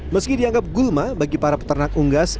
meski dianggap gulma bagi para peternak unggas